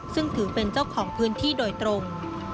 ซึ่งถือเป็นเจ้าของพื้นที่โดยตรง